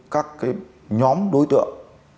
các nhóm đối tượng